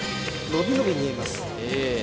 伸び伸び見えますええ